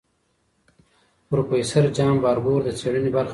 پروفیسور جان باربور د څېړنې برخه نه وه.